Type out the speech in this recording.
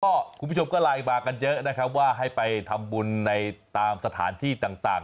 คุณผู้ชมก็ไลน์มากันเยอะนะครับว่าให้ไปทำบุญในตามสถานที่ต่าง